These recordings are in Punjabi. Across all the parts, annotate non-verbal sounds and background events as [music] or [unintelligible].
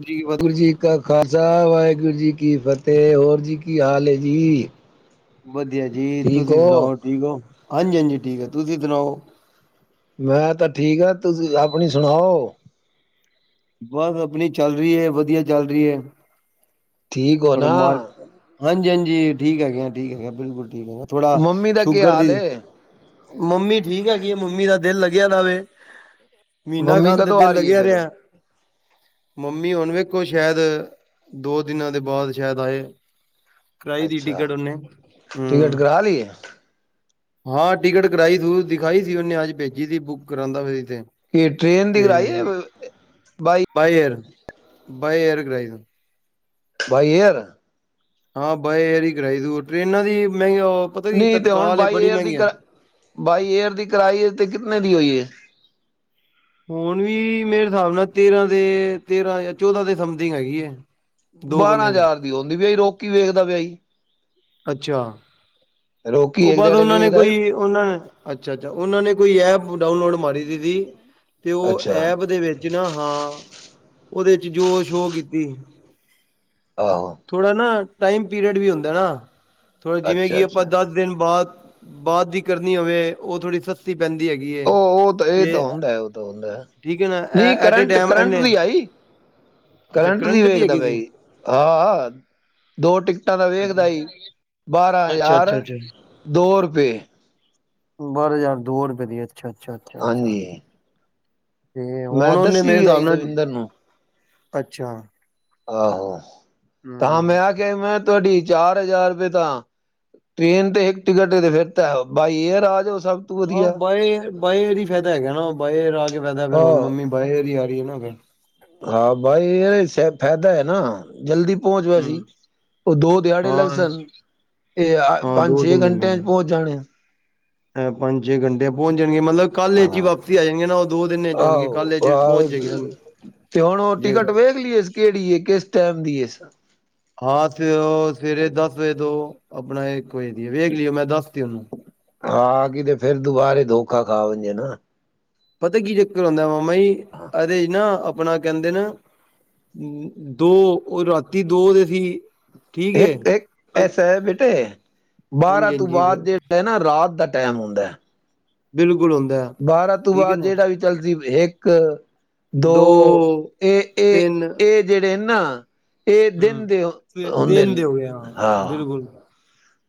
ਜੀ ਵਧ ਵਾਹਿਗੁਰੂ ਜੀ ਕਾ ਖਾਲਸਾ ਵਾਹਿਗੁਰੂ ਜੀ ਕੀ ਫਤਿਹ ਹੋਰ ਜੀ ਕੀ ਹਾਲ ਹੈ। ਜੀ- ਵਧੀਆ ਜੀ ਠੀਕ ਤੁਸੀ ਹੋ ਸੁਣਾਓ ਠੀਕ ਹੋ। ਹਾਂਜੀ -ਹਾਂਜੀ ਠੀਕ ਆ ਤੁਸੀਂ ਸੁਣਾਓ ਮੈਂ ਤਾਂ ਠੀਕ ਆ ਤੁਸੀਂ ਆਪਣੀ ਸੁਣਾਓ ਬਸ ਆਪਣੀ ਚੱਲ ਰਹੀ ਹੈ। ਵਧੀਆ ਚੱਲ ਰਹੀ ਹੈ। ਠੀਕ ਹੋ ਨਾ- ਜੀ ਠੀਕ ਹੈ। ਠੀਕ ਹੈਗੇ ਬਿਲਕੁਲ ਠੀਕ ਥੋੜਾ ਮੰਮੀ ਦਾ ਕੀ ਸ਼ੂਗਰ ਹਾਲ ਦੀ ਹੈ ਮੰਮੀ ਠੀਕ ਹੈਗਈ। ਮੰਮੀ ਦਾ ਦਿਲ ਲੱਗਿਆ ਨਾਲੇ ਮਹੀਨਾ ਮੰਮੀ [unintelligible] ਦੇ ਕਦੋਂ ਆ ਦਿਲ ਰਹੀ ਹੈ ਲੱਗਿਆ ਫਿਰ ਰਿਹਾ ਮੰਮੀ ਹੁਣ ਵੇਖੋ ਸ਼ਾਇਦ ਦੋ ਦਿਨਾਂ ਦੇ ਬਾਅਦ ਸ਼ਾਇਦ ਆਏ ਕਰਾਈ ਦੀ ਅੱਛਾ ਟਿਕਟ ਉਹਨੇ ਟਿਕਟ ਹਮ ਕਰਾ ਲਈ ਏ ਹਾਂ ਟਿਕਟ ਕਰਾਈ ਸੀ ਦਿਖਾਈ ਸੀ ਉਹਨੇ ਅੱਜ ਭੇਜੀ ਸੀ ਬੁੱਕ ਕਰਾਉਂਦਾ ਫੇਰ ਇਹ ਟ੍ਰੇਨ ਦੀ ਕਰਾਈ by by air by air ਕਰਾਈਏ ਬਾਈ ਏਅਰ? ਹਾਂ ਬਾਏ ਏਅਰ ਹੀ ਕਰਾਈ ਦੀ ਹੋਰ ਟ੍ਰੇਨਾਂ ਦੀ ਮਹਿੰਗੀ ਪਤਾ ਕੀ ਨਹੀਂ ਤੇ ਹੁਣ ਤਤਕਾਲ ਬਾਈ ਬੜੀ ਏਅਰ ਦੀ ਮਹਿੰਗੀਆਂ ਬਾਈ ਏਅਰ ਦੀ ਕਰਾਈ ਤੇ ਕਿਨੇ ਦੀ ਹੋਈ ਹੈ? [unintelligible] ਹੁਣ ਵੀ ਮੇਰੇ ਹਿਸਾਬ ਨਾਲ ਤੇਰਾਂ ਦੇ ਤੇਰਾਂ ਚੋਦਾਂ ਦੇ ਸਮਥਿੰਗ ਹੈਗੀ ਹੈ। ਦੋ ਬਾਰਾਂ ਬੰਦਿਆਂ ਹਜ਼ਾਰ ਦੀ ਆਉਦੀ ਪਈ ਰੋਕੀ ਵੇਖਦਾ ਪਿਆ ਸੀ ਅੱਛਾ। ਰੋਕੀ ਉਹ ਇੱਕ ਬਾਅਦ ਦਿਹਾੜੇ ਉਹਨਾਂ ਨੇ ਵੇਖਦਾ ਕੋਈ ਉਹਨਾਂ ਨੇ ਅੱਛਾ ਅੱਛਾ ਉਹਨਾਂ ਨੇ ਕੋਈ ਇਹ ਡਾਊਨਲੋਡ ਮਾਰੀ ਸੀ ਸੀ ਤੇ ਉਹ ਅੱਛਾ ਐਪ ਦੇ ਵਿੱਚ ਨਾ ਹਾਂ ਉਹਦੇ ਚ ਜੋ ਸ਼ੋ ਕੀਤੀ। ਆਹੋ ਥੋੜਾ ਨਾ ਟਾਈਮ ਪੀਰਅਡ ਵੀ ਹੁੰਦਾ ਨਾ। ਥੋੜਾ ਜਿਵੇਂ ਅੱਛਾ ਕਿ ਆਪਾਂ ਅੱਛਾ ਬਾ ਬਾਅਦ ਦੀ ਕਰਨੀ ਹੋਵੇ ਉਹ ਥੋੜ੍ਹੀ ਸਸਤੀ ਪੈਂਦੀ ਹੈਗੀ ਏ ਉਹ ਉਹ ਤਾਂ ਇਹ ਤੇ ਤਾਂ ਹੁੰਦਾ ਉਹ ਤਾਂ ਹੁੰਦਾ ਠੀਕ ਹੈ ਨਾ ਐ ਨਹੀਂ at a current time current ਇਹਨੇ ਦੀ ਆਈ ਅੱਛਾ ਕਰੰਟ ਦੀ ਵੇਖਦਾ ਹੈਗੀ ਸੀ ਪਾਈ ਹਾਂ ਦੋ ਟਿਕਟਾਂ ਦਾ ਵੇਖਦਾ ਈ ਬਾਰਾਂ ਅੱਛਾ ਹਜ਼ਾਰ ਅੱਛਾ ਦੋ ਰੁਪਏ। ਬਾਰ ਯਾਰ ਦੋ ਰੁਪਏ ਦੀ ਅੱਛਾ, ਅੱਛਾ, ਅੱਛਾ, ਅੱਛਾ। ਹਾਂਜੀ ਤੇ ਮੈਂ ਹੁਨ ਉਹਨੇ ਦੱਸੀ ਮੇਰੇ ਵੀ ਹਿਸਾਬ ਆਈ ਨਾਲ ਦਵਿੰਦਰ ਨੂੰ ਅੱਛਾ ਆਹੋ ਤਾਂ ਮੈਂ ਹੂੰ ਆ ਕੇਵੇੈਂ? ਤੁਹਾਡੀ ਚਾਰ ਹਜ਼ਾਰ ਰੁਪਏ ਤਾਂ, ਟ੍ਰੇਨ ਤੇ ਇੱਕ ਟਿਕਟ ਤੇ ਫਿਰਤਾ ਬਾਈ ਏਅਰ ਆ ਜਾਓ। ਸਭ ਤੋਂ ਹਾਂ ਵਧੀਆ ਬਾਏ ਫੇਰ ਈ ਫਾਇਦਾ ਹੈ ਨਾ ਬਾਏ ਰ ਪਦਾ ਫਿਰ ਹੁਣ ਹਾਂ ਮੰਮੀ ਬਾਏ ਏਅਰ ਹੀ ਆ ਰਹੀ ਹੈ ਨਾ ਫਿਰ। ਹਾਂ ਬਾਈ ਇਹ ਫਾਇਦਾ ਹੈ ਨਾ, ਜਲਦੀ ਪਹੁੰਚ ਪਇਆ ਹੂੰ, ਸੀ ਉਹ ਦੋ ਦਿਹਾੜੇ ਲੱਗ ਹਾਂ ਸਨ। ਤੇ ਹਾਂ ਪੰਜ ਦੋ ਛੇ ਦਿਨ ਘੰਟਿਆਂ ਚ ਲੱਗਣਗੇ ਪਹੁੰਚ ਜਾਣੇ। ਪੰਜ ਛੇ ਘੰਟੇ ਪਹੁੰਚ ਜਾਨ। ਆਹ ਦਿਨ ਚ ਹੋਣਗੇ ਆਹੋ, ਕੱਲ ਚ ਆਹੋ ਪਹੁੰਚ ਜਾਏਗੀ ਨਾ ਤੇ ਹੁਣ ਉਹ ਜੇ ਟਿਕਟ ਵੇਖ ਲਈਏ? ਕਿਹੜੀ ਕਿਸ ਟਾਈਮ ਦੀ? ਹਾਂ ਸ ਸਵੇਰੇ ਦਸ ਵਜੇ ਤੋਂ ਆਪਣਾ ਇੱਕ ਵਜ ਦੀ ਵੇਖ ਲਈ। ਮੈਂ ਦੱਸ ਤ ਉਹਨੂੰ ਹਾਂ ਕਿਤੇ ਫਿਰ ਦੁਬਾਰੇ ਦੋਖਾ ਖਾਵੇ ਨਾ। ਪਤਾ ਕੀ ਚੱਕਰ ਆਉਂਦਾ? ਵ ਈ ਅਦੇ ਚ ਨਾ। ਆਪਣਾ ਕਹਿੰਦੇ ਨਾ, ਦੋ ਉਹ ਰਾਤੀ ਦੋ ਦੇ ਸੀ। ਠੀਕ ਏ ਇੱਕ, ਇੱਕ ਐਸਾ ਬੇਟੇ ਬਾਰਾਂ ਹਾਂਜੀ ਤੋਂ ਹਾਂਜੀ ਬਾਅਦ ਜਿਹੜਾ ਨਾ ਰਾਤ ਦਾ ਟਾਈਮ ਹੁੰਦੇ ਆ ਬਿਲਕੂ ਬਾਰਾਂ ਤੋਂ ਬਾਅਦ ਜਿਹੜਾ ਵੀ ਚੱਲਦੀ ਵੀ ਇੱਕ ਇਕ ਦੋ ਇਹ, ਇਹ, ਇਹ ਜਿਹੜੇ ਨਾ [unintelligible] ਦਿਨ ਦੇ ਹੂੰ ਹੁੰਦੇ ਦੇਣ ਨੇ ਦਿਓਗੇ ਹਾਂ। ਬਿਲਕੁਲ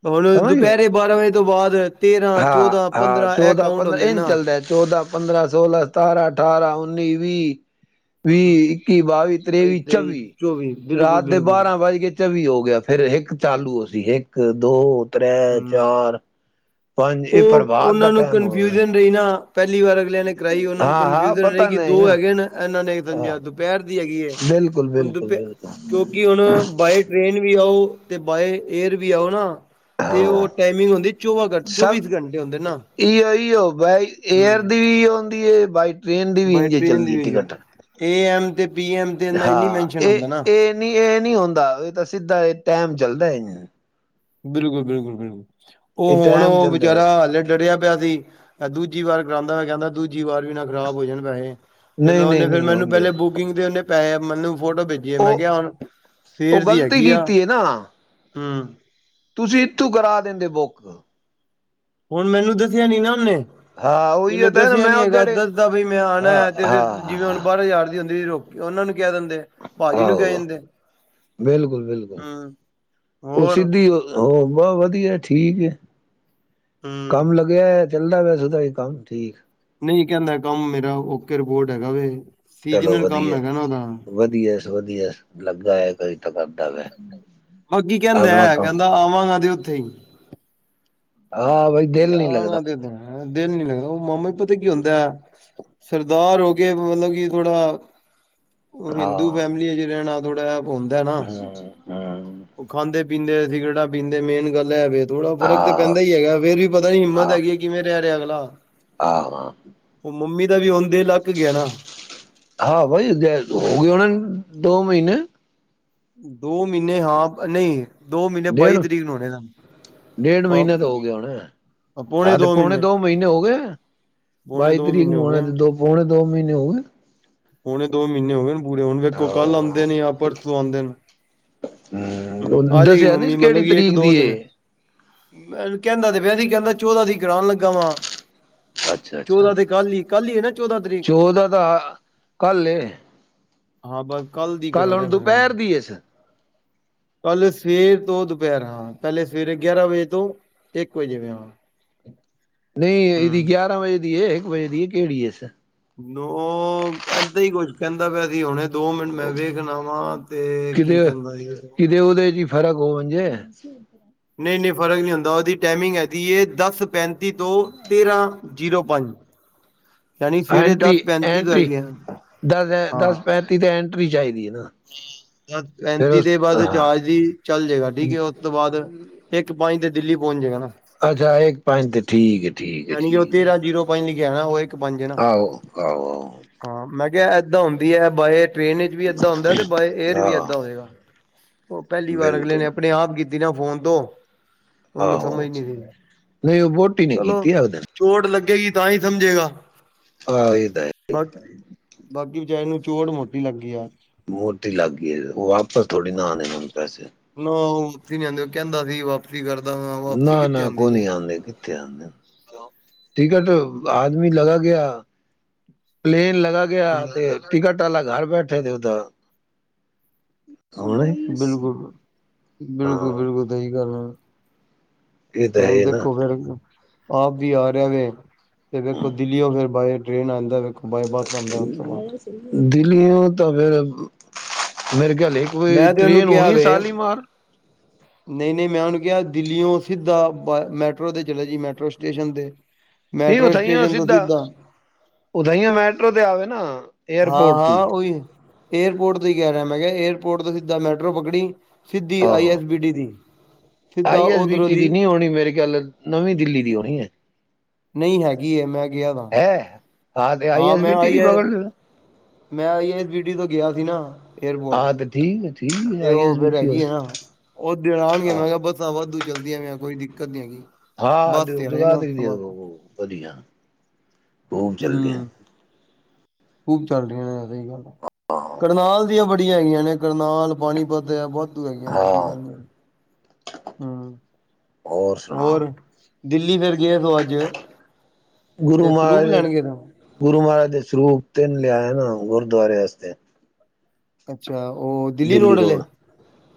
ਹੁਣ ਸਮਝ ਗਏ ਦੁਪਹਿਰੇ ਬਾਰਾਂ ਵਜੇ ਤੋ ਬਾਅਦ ਤੇਰਾਂ ਹਾਂ, ਚੌਦਾਂ ਹਾਂ ਪੰਦਰਾਂ ਇਹ ਚੌਦਾਂ, ਕਾਊਂਟ ਪੰਦਰਾਂ ਹੁੰਦੇ ਇਹ ਨਹੀਂ ਨਾ ਚੱਲਦਾ ਚੌਦਾਂ, ਪੰਦਰਾਂ, ਸੋਲਾਂ, ਸਤਾਰਾਂ, ਅਠਾਰਾਂ ਨੇ ਵੀ ਵੀਹ, ਇੱਕੀ, ਬਾਵੀ, ਤਰੇੇਵੀ, ਤੇਈ ਚੌਵੀ ਬਿਲਕੁਲ ਰਾਤ ਦੇ ਬਿਲਕੁਲ ਬਾਰਾਂ ਵੱਜ ਕੇ ਚੌਵੀ ਹੋ ਗਿਆ ਫਿਰ ਇੱਕ ਚਾਲੂ ਹੋਸੀ ਇੱਕ ਦੋ ਤ੍ਰੈ, ਹਮ ਚਾਰ ਪੰਜ ਇਹ ਉਹ ਪ੍ਰਭਾਤ ਦਾ ਉਹਨਾਂ ਨੂੰ ਟਾਈਮ ਹੋ ਰਿਹਾ ਕਨਫਿਊਜ਼ਨ ਰਹੀ ਨਾ ਪਹਿਲੀ ਵਾਰ ਨੇ ਕਰਾਈ ਉਹਨਾਂ ਨੂੰ ਹਾਂ ਹਾਂ ਕਨਫਿਊਜਨ ਰਹੀ ਪਤਾ ਕਿ ਨਹੀਂ ਦੋ ਨਾ ਹੈਗੇ ਨੇ ਇਹਨਾਂ ਨੇ ਹਾਂ ਸਮਝਿਆ ਦੁਪਹਿਰ ਦੀ ਹੈਗੀ ਹੈ ਬਿਲਕੁਲ ਹੁਣ ਦੁਪ ਬਿਲਕੁਲ ਬਿਲਕੁਲ ਕਿਉਂਕਿ ਹੁਣ ਬਾਏ ਟ੍ਰੇਨ ਵੀ ਆਓ ਤੇ ਬਾਏ ਏਅਰ ਵੀ ਆਓ ਨਾ ਤੇ ਉਹ ਹਾਂ ਟਾਈਮਿੰਗ ਹੁੰਦੀ ਚੌਵਾਂ ਘੰ ਸਭ ਚੌਵੀਸ ਘੰਟੇ ਹੁੰਦੇ ਨਾ ਇ ਇਓ ਬਾਈ ਏਅਰ ਹਮ ਦੀ ਵੀ ਹੁੰਦੀ ਹੈ ਬਾਈ ਟ੍ਰੇਨ ਦੀ ਵੀ ਬਾਏ ਇੰ ਟ੍ਰੇਨ ਦੀ ਚੱਲਦੀ ਹੈ ਹੋਈ ਏ ਟਿਕਟ ਏ ਐਮ ਤੇ ਪੀ ਐਮ ਤੇ ਇੰਨਾ ਨਹੀਂ ਹਾਂ ਮੈਨਸ਼ਨ ਇਹ ਹੁੰਦਾ ਨਾ ਇਹ ਨਹੀਂ ਇਹ ਨਹੀਂ ਹੁੰਦਾ ਇਹ ਤਾਂ ਸਿੱਧਾ ਇਹ ਟਾਈਮ ਚੱਲਦਾ ਬਿਲਕੁਲ ਬਿਲਕੁਲ ਬਿਲਕੁਲ ਉਹ ਇਹ ਹੁਣ ਟਾਈਮ ਉਹ ਚੱਲਦਾ ਵਿਚਾਰਾ ਹੈ ਹਾਲ ਡਰਿਆ ਪਿਆ ਸੀ ਮ ਦੂਜੀ ਵਾਰ ਕਰਾਉਂਦਾ ਮੈਂ ਕਹਿੰਦਾ ਦੂਜੀ ਵਾਰ ਵੀ ਨਾ ਖ਼ਰਾਬ ਹੋ ਜਾਣ ਪੈਸੇ ਤੇ ਮੈਂ ਨਹੀਂ ਨਹੀਂ ਉਹਨੇ ਫੇਿਰ ਨਹੀਂ ਮੈਨੂੰ ਹੁੰਦੇ ਪਹਿਲੇ ਬੁਕਿੰਗ ਤੇ ਉਹਨੇ ਪਹੇ ਮੈਨੂੰ ਫੋਟੋ ਭੇਜੀਏ ਮੈਂ ਉਹ ਕਿਹਾ ਹੁਣ ਸਵੇਰ ਉਹ ਦੀ ਗ਼ਲਤੀ ਹੈਗੀ ਆ ਕੀਤੀ ਹੈ ਨਾ ਹਾਂ ਤੁਸੀਂ ਇੱਥੋਂ ਕਰਾ ਦਿੰਦੇ ਬੁੱਕ ਹੁਣ ਮੈਨੂੰ ਦੱਸਿਆ ਨੀ ਨਾ ਉਹਨੇ ਹਾਂ ਉਹਨੇ ਉਹੀ ਤਾਂ ਨਾ ਦੱਸਿਆ ਮੈਂ ਨੀ ਉਹ ਹੈਗਾ ਜਿਹੜੇ ਦੱਸਦਾ ਬਈ ਮੈਂ ਆਉਣਾ ਹਾਂ ਹੈ ਤੇ ਫਿਰ ਜਿਵੇਂ ਹੁਣ ਬਾਰਾਂ ਹਜ਼ਾਰ ਦੀ ਹੁੰਦੀ ਰੋਕੀ ਉਹਨਾਂ ਨੂੰ ਕਹਿ ਦਿੰਦੇ। ਭਾਜੀ ਨੂੰ ਕਹਿ ਆਹੋਹ ਦਿੰਦੇ, ਬਿਲਕੁਲ ਬਿਲਕੁਲ ਹੂੰ ਉਹ ਹੋਰ ਸਿੱਧੀ ਉਹ ਵਧੀਆ ਠੀਕ ਹੂੰ ਕੰਮ ਲੱਗੇਆ ਐ। ਚੱਲਦਾ ਵੈ ਸੂਦਾ ਈ ਕੰਮ ਠੀਕ। ਨਈ ਕੈਂਦਾ ਏ ਕੰਮ ਮੇਰਾ ਓਕੇ ਰਿਪੋਰਟ ਹੈਗਾ ਵੇ। ਚਲੋ ਸੀਜਨਲ ਕੰਮ ਵਧੀਆ ਏ ਹੈਗਾ ਨਾ ਉਹਦਾ। ਵਧੀਆ ਸ ਵਧੀਆ ਲੱਗਾ ਹੈ ਕੋਈ ਤਾਂ ਕੰਮ ਕਰ ਰੈ। ਹੁਂ। ਬਾਕੀ ਕਹਿੰਦਾ ਆਪਣਾ ਐ ਕਹਿੰਦਾ ਆਵਾਂਗਾ ਤੇ ਓਥੇ ਹੀ। ਹਾਂ ਬਈ ਦਿਲ ਕਹਿੰਦਾ ਨਈ ਲੱਗਦਾ। ਆਣਾ ਤੇ ਦਿਲ ਨੀ ਲੱਗਦਾ ਉਹ ਮਾਮਾ ਪਤਾ ਕੀ ਹੁੰਦਾ ਐ ਸਰਦਾਰ ਹੋ ਕੇ ਮਤਲਬ ਕਿ ਥੋੜਾ ਓ ਹਿੰਦੂ ਹਾਂ ਫੈਮਿਲੀ ਏ ਜਿਦੇ ਨਾਲ ਥੋੜਾ। ਹੋਂਦਾ ਐ ਨਾ। ਹੂੰ ਹੂੰ। ਓ ਖਾਂਦੇ ਪੀਂਦੇ ਸਿਗਰੇਟਾਂ ਪੀਂਦੇ ਮੇਨ ਗੱਲ ਐ ਵੇ। ਥੋੜ੍ਹਾ ਫਰਕ ਤੇ ਹਾਂ ਪੈਂਦਾ ਈ ਹੈਗਾ ਫੇਰ ਵੀ ਪਤਾ ਨੀ ਹਿੰਮਤ ਹੈਗੀ ਕਿਵੇਂ ਰੈ ਰਿਹਾ ਅਗਲ ਨਾ। ਆਹ ਆਂ। ਮੰਮੀ ਦਾ ਵੀ ਹੋਨ ਹਾਂ ਬਈ ਦੈ ਹੋ ਉਹ ਗਏ ਨੇ ਦੋ ਮਹੀਨੇ। ਦੋ ਮਹੀਨੇ ਹਾਂ ਨਈ। ਦੋ ਮਹੀਨੇ ਬਾਈ ਡੇਢ ਤਰੀਕ ਨੂੰ ਹੋਣੇ ਨੇ ਡੇਢ ਬ ਮਹੀਨਾ ਤਾਂ ਹੋ ਗਿਆ ਹੋਣਾ ਹਾਂ ਤੇ ਪਉਣੇ ਦੋ ਮਹੀਨੇ ਹੋ ਗਏ ਪੌਣੇ ਬਾਈ ਦੋ ਤਰੀਕ ਮਹੀਨੇ ਨੂੰ ਹੋ ਗਏ ਹੋਣੇ ਸੀ ਦੋ ਪਉਣੇੋ ਦੋ ਦੋ ਮਹੀਨੇ ਹੋ ਗਏ? ਪੋਣੇ ਦੋ ਮਹੀਨੇ ਹੋਗੇ ਨ। ਪੂਰੇ ਹੋਣਗੇ ਕੋ ਕੱਲ ਆਉਂਦੇ ਨੇ ਯਾਂ ਪਰਸ ਪਰਸੋ ਆਉਂਦੇ ਨੇ। ਹਮ ਆ ਦੱਸਿਆ ਨੀ ਸ ਕੇੜੀ ਤਰੀਕ ਦੀ ਏ? ਮੈਨ ਕਹਿੰਦਾ ਤੇ ਪਆ ਸੀ ਕਹਿੰਦਾ ਚੌਦਾਂ ਦੀ ਕਰਾਣ ਲੱਗਾ ਵਾਂ। ਅੱਛਾ-ਅੱਛਾ। ਚੌਦਾਂ ਤੇ ਕੱਲ ਹੀ ਕੱਲ ਹੀ ਹੈ ਨਾ ਚੌਦਾਂ ਤਰੀਕ? ਚੌਦਾਂ ਤਾਂ ਕੱਲ ਏ। ਹਾਂ ਬਸ। ਦੀ ਕੱਲ ਕਰਾ ਹੁਣ ਰਿਹਾ ਫਿਰ ਹਾਂ। ਦੁਪਹਿਰ ਦੀ ਏਸ। ਕੱਲ ਸਵੇਰ ਤੋਂ ਦੁਪਹਿਰ ਹਾਂ ਪੈਲੇ ਸਵੇਰੇ ਗਿਆਰਾਂ ਵਜੇ ਤੋਂ ਏਕ ਵਜੇ ਵੇ ਹਾਂ। ਨਹੀਂ ਏਦੀ ਹੂੰ। ਗਿਆਰਾਂ ਵਜੇ ਦੀ ਏ ਹੇਕ ਵਜੇ ਦੀ। ਕੇੜੀ ਏਸ? ਉਹ ਏਦਾਂ ਹੀ ਕੁਛ ਕਹਿੰਦਾ ਪਿਆ ਸੀ ਆਉਣਾ। ਦੋ ਮਿੰਟ ਮੈਂ ਵੇਖ ਲਵਾਂ ਤੇ, ਕੀ ਕਿਤੇ ਕਹਿੰਦਾ ਸੀ ਕਿਤੇ ਉਹਦੇ ਚ ਹੀ [unintelligible] ਨਹੀਂ ਨਹੀਂ ਫਰਕ ਨਹੀਂ ਹੁੰਦਾ ਉਹ ਇਹਦੀ ਟਾਈਮਿੰਗ ਹੈਗੀ ਏ ਦਸ ਪੈਂਤੀ ਤੋਂ ਤੇਰਾਂ ਜ਼ੀਰੋ ਪੰਜ ਯਾਨੀ ਸਵੇਰੇ ਦਸ ਐਂਟਰੀ ਪੈਂਤੀ ਤੋਂ ਐਂਟਰੀ ਹੈਗੇ ਆ। ਦਸ ਹਾਂ। ਦਸ ਪੈਂਤੀ ਤੇ ਐਂਟਰੀ ਚਾਹੀਦੀ। ਹੈ ਨਾ ਫਿਰ ਪੈਂਤੀ ਉਸ ਦੇ ਬਾਅਦ ਹਾਂ ਚਾਰ ਦੀ ਚੱਲ ਜਾਏਗਾ, ਠੀਕ ਹੈ, ਉਸ ਤੋਂ ਬਾਅਦ ਇੱਕ ਪੰਜ ਦਿਨ ਦਿੱਲੀ ਪਹੁੰਚ ਜੇ ਗਾ ਨਾ ਅੱਛਾ ਇੱਕ ਪੰਜ ਤੇ ਠੀਕ ਏ। ਜਾਣੀ ਉਹ ਤੇਰਾਂ ਜੀਰੋ ਪਾ ਨਾ ਉਹ ਪੰਜ ਹੈ ਨਾ। ਆਹੋ, ਆਹੋ ਆਹੋ। ਹਾਂ ਮੈਂ ਕਿਹਾ ਏਦਾਂ ਹੁੰਦੀ ਏ। ਬਾਏ ਟ੍ਰੇਨ ਵਿੱਚ ਵੀ ਏਦਾਂ ਹੁੰਦਾ, ਤੇ ਬਾਏ ਏਅਰ ਵੀ ਆਹ ਏਦਾਂ ਹੋਏਗਾ। ਉਹ ਪਹਿਲੀ ਵਾਰ ਅਗਲੇ ਨੇ ਬਿਲਕੁਲ ਆਪਣੇ ਆਪ ਬਿਨਾਂ ਫੋਨ ਤੋਂ ਉਹਨੂੰ ਸਮਝ ਆਹੋ, ਨੀ ਸੀ ਨਹੀਂ ਉਹ ਵਹੁਟੀ ਨੇ ਚਲੋ ਕੀਤੀ ਆ। ਉਹਦੇ ਚੋਟ ਲੱਗੇਗੀ ਤਾਂ ਹੀ ਸਮਝੇਗਾ ਹਾਂ, ਇਹਦਾ ਬਾਕੀ ਬਾਕੀ ਵਿਚਾਰੇ ਨੂੰ ਚੋਟ ਮੋਟੀ ਲੱਗੀ ਆ। ਮੂਰਤੀ ਲੱਗ ਗਈ, ਉਹ ਵਾਪਸ ਥੋੜੀ ਨਾ ਆਣੇ ਹੁਣ ਪੈਸੇ। ਨਹੀਂ ਉਹ ਕਹਿੰਦਾ ਸੀ ਵਾਪਸੀ ਕਰ ਨਾ ਨਾ ਕੋ ਨੀ ਆਉਂਦੇ, ਕਿੱਥੇ ਆਉਂਦੇ। [unintelligible] ਟਿਕਟ ਆਦਮੀ ਲਗਾ ਗਿਆ, ਪਲੇਨ ਲ ਚਲਾ ਗਿਆ ਤੇ ਬਿਲਕੁਲ ਟਿਕਟ ਵਾਲਾ ਘਰ ਬੈਠ ਇਹ ਤੇ ਉਹਦਾ ਹੁਣ ਬਿਲਕੁਲ, ਹਾਂ ਬਿਲਕੁਲ, ਬਿਲਕੁਲ ਸਹੀ ਗੱਲ ਆ। ਇਹ ਤਾਂ ਹੁਣ ਹੈ ਨਾ ਦੇਖੋ ਫੇਰ ਆਪ ਵੀ ਆ ਰਿਹਾ ਵੇ ਤੇ ਵੇਖੋ ਦਿੱਲੀ ਹੋ ਫਿਰ ਬਾਏ ਟ੍ਰੇਨ ਆਉਂਦਾ। ਬਾਏ ਬੱਸ ਆਉਂਦਾ ਉਸ ਤੋਂ ਬਾਅਦ ਦਿੱਲੀ ਉਹ ਤਾਂ ਫੇਰ ਮੇਰੇ ਗਲੇਈ ਮੈਂ ਤੇ ਉਹਨੂੰ ਟ੍ਰਰੇਨ ਕਿਹਾ ਹੋਣੀ ਵੇ ਸਾਲੀ ਮਾਰ। ਨਹੀਂ ਨਹੀਂ ਮੈਂ ਉਹਨੂੰ ਕਿਹਾ ਦਿੱਲੀਓ ਸਿੱਧਾ ਮੈਟਰੋ ਤੇ ਚਲੇ ਜੀ ਮੈਟਰੋ ਸਟੇਸ਼ਨ ਤੇ ਨਹੀਂ ਮੈਟਰੋ ਉਥਾਈਆਂ ਸਟੇਸ਼ਨ ਤੋਂ ਸਿੱਧਾ ਉਥਾਈਆਂ ਮੈਟਰੋ ਤੇ ਆਵੇ ਨਾ ਹਾਂ ਏਅਰਪੋਰਟ ਤੋਂ ਹੀ। ਹਾਂ ਉਹੀ ਏਅਰਪੋਰਟ ਹੀ ਕ ਰਿਹਾ ਮੈਂ ਕਿਹਾ ਏਅਰ ਰ ਤੋਂ ਸਿੱਧਾ ਮੈਟਰੋ ਪਕੜੀ ਸਿੱਧੀ ਆਈ ਆਹੋ ਐੱਸ ਬੀ ਡੀ ਦੀ। ਸਿੱਧਾ ਆਈ ਐਸ ਬੀ ਉਧਰੋਂ ਟੀ ਦੀ ਨੀ ਹੋਣੀ ਮੇਰੇ ਖਿਆਲ ਨਵੀਂ ਦਿੱਲੀ ਦੀ ਹੋਣੀ ਹੈ। ਨਹੀਂ ਹੈਗੀ ਮੈਂ ਗਿਆ ਤਾਂ। ਹੈ ਤੇ ਹਾਂ ਐਸ ਬੀ ਮੈਂ ਟੀ ਆਈ ਦੀ ਹੈ ਪਕੜ ਲੈ ਮੈਂ ਆਈਏ ਇਸ ਬੀਟੀ ਤੋਂ ਗਿਆ ਸੀ। [unintelligible] ਹਾਂ ਤੇ ਠੀਕ ਠੀਕ ਹੈ ਤੇ ਆਈ ਉਹ ਐਸ ਬੀ ਫੇਰ ਟੀ ਹੋ ਹੈਗੀ ਆ ਨਾ ਉਹ ਦਿਨ ਆਉਣਗੇ ਮੈਂ ਹਾਂ ਕਿਹਾ ਬੱਸਾਂ ਵਾਧੂ ਜਲਦੀਆਂ ਮੈਂ ਕੋਈ ਦਿੱਕਤ ਨਹੀਂ ਹੈਗੀ। ਹਾਂ ਬੱਸ ਤੇ ਆਏ ਨਾ ਉਸ ਜਗਾਧਰੀ ਤੋਂ ਦੀਆਂ ਬਾਅਦ ਦੋਨੋ ਵਧੀਆ। ਖੂਬ ਚਲਦੀਆਂ ਹਮ ਖੂਬ ਚੱਲ ਰਹੀਆਂ ਐ। ਸਹੀ ਗੱਲ ਐ, ਹਾਂ ਕਰਨਾਲ ਦੀਆਂ ਬੜ ਇਥੇ ਹੈਗੀਆਂ ਨੇ ਕਰਨਾਲ ਪਾਣੀਪਤ ਬਹੁਤ ਹੈਗੀਆਂ ਨੇ ਇਹਦੀ ਹਾਂ ਗੱਲ ਨਹੀਂ। ਹਾਂ। ਹੋਰ ਸੁਣਾ? ਦਿੱਲੀ ਫੇਰ ਗਏ ਸੋ ਅੱਜ ਗੁਰੂ ਤੇ ਸਰੂਪ ਮਹਾਰਾਜ ਦੇ ਲੈਣ ਗਏ ਸੋ ਗੁਰੂ ਮਹਾਰਾਜ ਦੇ ਸਰੂਪ ਤਿਨ ਲਿਆਇ ਨਾ ਗ ਗੁਰਦੁਆਰੇ ਵਾਸਤੇ। ਅੱਛਾ। ਅੱਛਾ ਉਹ ਦਿੱਲੀ ਰੋਡ ਵਾਲੇ,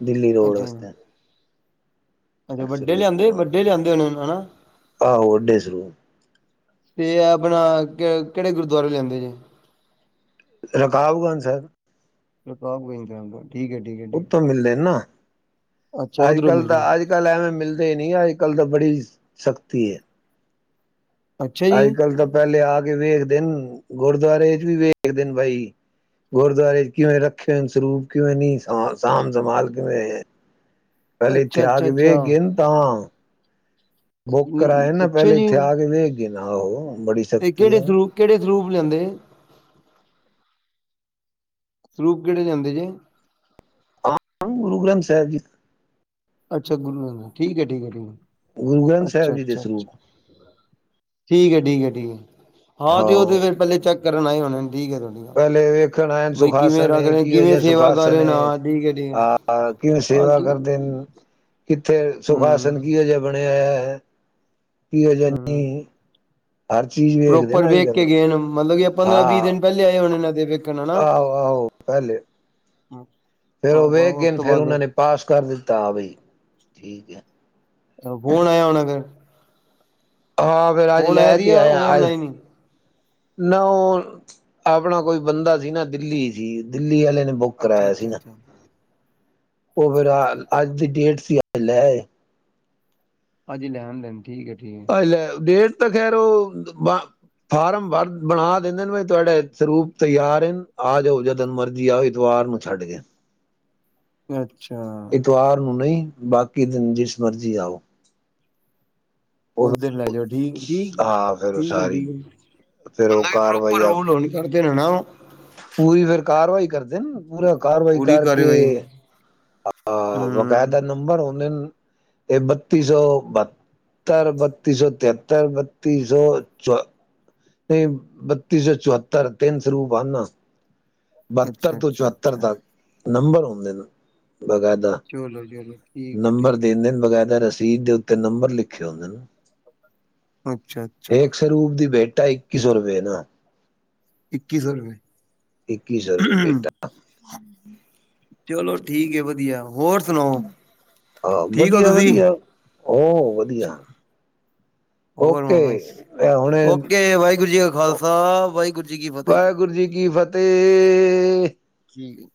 ਦਿੱਲੀ ਰੋਡ ਅੱਛਾ। ਵਾਸਤੇ ਅੱਛਾ ਵੱਡੇ ਲਿਆਂਦੇ ਵੱਡੇ ਲਿਆਂਦੇ ਹੁਣ। ਹੈਣਾ। ਆਹੋ ਵਡੇ ਸਰੂ ਤੇ ਆਪਣਾ ਕਿਹੜੇ ਗੁਰਦੁਆਰੇਯੋ ਲਿਆਂਦੇ ਜੇ? ਰਕਾਬ ਗੰਜ ਸਾਹਿਬ। ਰਕਾਬ ਗੰਜ ਸਾਹਿਬ ਤੋ। ਉਹਥੋਂ ਮਿਲਦੇ ਨੇ ਨਾ ਅੱਜ ਉਧਰੋਂ ਕੱਲ ਮਿਲਦੇ ਤਾਂ ਅੱਜ ਨੇ ਕੱਲ ਐਵੇਂ ਮਿਲਦੇ ਨਹੀਂ ਅੱਜ ਕੱਲ ਤਾਂ ਬੜੀ ਸਖ਼ਤੀ ਹੈ। ਅੱਛਾ ਅੱਜ ਜੀ ਕੱਲ ਤਾਂ ਪਹਿਲੇ ਆ ਕੇ ਵੇਖਦੇ ਨੇ ਗੁਰਦੁਆਰੇ ਚ ਵੀ ਵੇਖਦੇ ਨੇ ਬਾਈ ਗੁਰਦੁਆਰੇ ਚ ਕਿਵੇਂ ਰੱਖੇ ਹੋ ਸਰੂਪ ਕਿਵੇਂ ਨ ਸਾਂਭ ਸੰਭਾਲ ਕਿਵੇਂ ਐ। ਪਹਿਲੇ ਅੱਛਾ ਇੱਥੇ ਆ ਅੱਛਾ ਕੇ ਅੱਛਾ ਵੇਖ ਗਏ ਤਾਂ ਬੁੱਕ ਅਮ, ਕਰਾਯਾ ਨਾ, ਅੱਛਾ ਪਹਿਲੇ ਜੀ ਇੱਥੇ ਆ ਕੇ ਵੇਖ ਗਏ ਨ। ਨਾ ਉਹ ਬੜੀ ਤੇ ਸ਼ਕਤੀ ਕਿਹੜੇ ਹੈ। ਸਰੂਪ ਕਿਹੜੇ ਸਰੂਪ ਲਿਆਂਦੇ, ਸਰੂਪ ਕਿਹੜੇ ਲਿਆਂਦੇ ਜੇ। ਆ ਗੁਰੂ ਗ੍ਰੰਥ ਸਾਹਿਬ ਜੀ ਦੇ । ਅੱਛਾ ਗੁਰੂ ਦਾ ਨਾ, ਠੀਕ ਹੈ ਠੀਕ ਹੈ ਗ ਗੁਰੂ ਗ੍ਰੰਥ ਸਾਹਿਬ ਜੀ ਦੇ ਸਰੂਪ ਠੀਕ ਹੈ, ਠੀਕ ਹੈ, ਠੀਕ ਹੈ। ਹਾਂ ਉਦੇ ਪਹਿੱਲੇ ਚੱਕ ਕਰਨ ਆਏ ਹੋਣੇ, ਠੀਕ ਹੈ ਤੁਹਾਡੀ ਗੱਲ, ਸਿੱਖਣ ਬਈ ਕਿਵੇਂ ਸੁਖਾਸਨ ਰੱਖ ਰਹੇ ਕਿਹੋ ਕਿਵੇਂ ਜੇਹਾ ਸੇਵਾ ਕਰ ਸੁਖਾਸਨ ਰਹੇ ਨੇ। ਹੈ ਹਾਂ ਠੀਕ ਹੈ ਠੀਕ ਹੈ ਆਹ ਕਿਵੇ ਹਾਂ ਸੇਵਾ ਕੀ ਕਰਦੇ ਨੇ, ਕਿੱਥੇ ਹਮ ਸੁਖਾਸਨ ਕੀ ਅਜਿਹਾ ਬਣਿਆ ਹੋਇਆ ਹੈ। [unintelligible] ਕਿਹੋ ਜਿਹਾ ਹਮ ਨਹੀਂ, ਹਰ ਚੀਜ਼ ਵੇਖਦੇ ਪ੍ਰੋਪਰ ਨਾ ਅੱਜ ਵੇਖ ਕੱਲ ਕੇ ਗਏ ਮਤਲਬ ਕਿ ਪੰਦਰਾਂ ਵੀਹ ਹਾਂ ਦਿਨ ਪਹਿਲੇ ਆਏ ਹੋਣੇ ਦੇ ਵੇਖਣ ਆ ਨਾ, ਆਹੋ ਆਹੋ ਪਹਿਲੇ ਹਾਂ, ਫੇਰ ਉਹ ਵੇਖ ਬਸ ਉਸ ਗਏ ਤੋਂ ਫੇਰ ਬਾਅਦ ਉਹਨਾਂ ਫਿਰ ਨੇ ਪਾਸ ਕਰ ਦਿੱਤਾ ਆ ਬਈ ਠੀਕ ਹੈ। ਫੋਨ ਆਇਆ ਹੋ ਘਰ, ਹਾਂ ਫਿਰ ਅੱਜ ਲੈ ਕੇ ਆਇਆ ਅੱਜ, ਔਨਲਾਈਨ ਹੀ ਨਾ ਉਹ ਆਪਣਾ ਕੋਈ ਬੰਦਾ ਸੀ ਨਾ ਦਿੱਲੀ ਸੀ ਦਿੱਲੀ ਆਲੇ, ਬੁੱਕ ਅੱਛਾ ਕਰਵਾਇਆ ਸੀ ਅੱਛਾ ਨਾ, ਅੱਛਾ ਉਹ, ਅੱਜ ਦੀ ਡੇਟ ਸੀ। ਬਿੱਲ ਲੇ ਆਏ। ਹਾਂਜੀ ਲੈਣ ਦੇਣ। ਠੀਕ ਹੈ ਅ ਠੀਕ ਲੈ ਡੇਟ ਤਾਂ ਖੈਰ ਉਹ। ਫਾਰਮ ਵਰ ਬਣਾ ਦਿੰਦੇ ਨੇ ਤੁਹਾਡੇ ਸਰੂਪ ਤਿਆਰ ਆ ਜਾਓ ਜਦਨ ਮਰਜੀ ਆਓ ਐਤਵਾਰ ਨੂੰ ਛੱਡ ਕੇ। ਅੱਛਾ। ਇਤਵਾਰ ਨੂੰ ਨਹੀਂ ਬਾਕੀ ਦਿਨ ਜਿਸ ਮਰਜ਼ੀ ਆਓ। ਉਹ ਉਸ ਦਿਨ ਲੈਜੋ। ਦੀ। ਹਾਂ ਫੇਰ ਉਹ ਸਾਰੀ ਫੇਰ ਉਹ ਕਾਰਵਾਈ। ਦਿਨ ਨਾ ਉਹ। ਪੂਰੀ ਫੇਰ ਕਾਰਵਾਈ ਕਰਦੇ ਨੇ ਪੂਰਾ ਕਾਰਵਾਈ ਪੂਰੀ ਕਰਕੇ। ਕਾਰਵਾਈ ਅ ਹਮ ਬਕਾਇਦਾ ਨੰਬਰ। ਔਨਲਾਈਨ ਬਤੀ ਸੌ ਬੱਤਰ ਬਤੀ ਸੌ ਤੇਹੱਤਰ ਬੱਤੀ ਸੌ ਚ ਨਹੀਂ ਬੱਤੀ ਸੌ ਚੁਹੱਤਰ ਤਿੰਨ ਸਰੂਪ ਹਨ। ਬਹੱਤਰ ਅੱਛਾ ਤੋਂ ਅੱਛਾ ਚੁਹੱਤਰ ਅੱਛਾ ਤੱਕ। ਨੰਬਰ ਹੁੰਦੇ ਨੇ। ਬਗਾਇਦਾ ਚਲੋ ਚਲੋ ਠੀਕ ਹੈ ਨੰਬਰ ਦੇ ਠੀਕ ਦਿੰਦੇ ਨੇ ਬਗਾਇਦਾ । ਰਸੀਦ ਦੇ ਉੱਤੇ ਨੰਬਰ ਲਿਖੇ ਹੁੰਦੇ ਨੇ। ਅੱਛਾ ਅੱਛਾ ਇੱਕ ਸਰੂਪ ਦੀ । ਢਾਈ ਇੱਕੀ ਸੌ ਰੁਪਏ ਦਾ। ਇੱਕੀ ਸੌ ਰੁਪਏ? ਇੱਕੀ ਸੌ ਰੁਪਏ ਬੇਟਾ। ਚਲੋ ਠੀਕ ਹੈ ਵਧੀਆ। ਹੋਰ ਸੁਣਾਓ ਆਹ ਠੀਕ ਹੋ ਵਧੀਆ ਤੁਸੀਂ ਵਧੀਆ ਹੋ ਵਧੀਆ। ਹੋਰ ਓਕੇ ਮਾਮਾ ਜੀ ਹੁਣੇ ਓਕੇ ਵਾਹਿਗੁਰੂ ਜੀ ਕਾ ਖਾਲਸਾ ਵਾਹਿਗੁਰੂ ਜੀ ਕੀ ਫਤਿਹ ਜੀ। ਤੇ। ਠੀਕ ਹੈ।